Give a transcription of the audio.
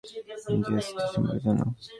তুমি জিএসটি সম্পর্কে জানো?